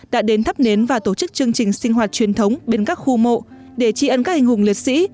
đã đến thắp nến và tổ chức chương trình sinh hoạt truyền thống bên các khu mộ để trị ân các anh hùng liệt sĩ